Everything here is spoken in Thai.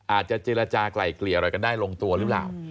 เจรจากลายเกลี่ยอะไรกันได้ลงตัวหรือเปล่า